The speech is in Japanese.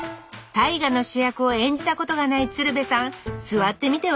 大河の主役を演じたことがない鶴瓶さん座ってみては？